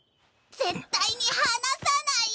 絶対に放さない！